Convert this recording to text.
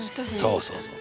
そうそうそう。